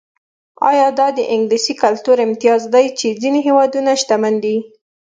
ایا دا د انګلیسي کلتور امتیاز دی چې ځینې هېوادونه شتمن دي.